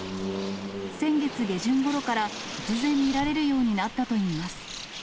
先月下旬ごろから突然、見られるようになったといいます。